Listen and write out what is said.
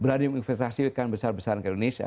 berani investasikan besar besaran ke indonesia